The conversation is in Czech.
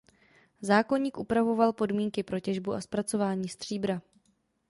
Zákoník upravoval podmínky pro těžbu a zpracování stříbra.